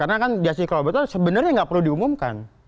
karena kan justice kolaborator sebenarnya nggak perlu diumumkan